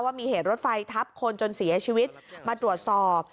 ว่ามีเหตุรถไฟทับคนจนเสียชีวิตมาตรวจสอบ